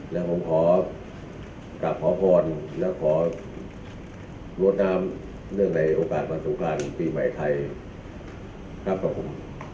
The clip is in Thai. และผมขอกลับขอบควรและขอรวดน้ำเรื่องในโอกาสประสบการณ์ปีใหม่ไทยครับขอบคุณ